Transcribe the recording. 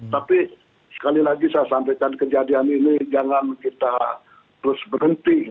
tapi sekali lagi saya sampaikan kejadian ini jangan kita terus berhenti